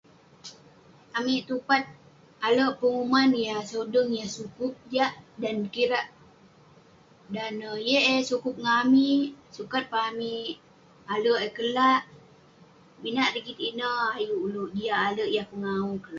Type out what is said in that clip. Amik tupat ale' penguman yah sodeng, yah sukup jak. Dan neh yeng eh sukup ngan amik, sukat peh amik ale' eh kelak. Minak rigit ineh ayuk ulouk jiak ale' yah pengawu ke-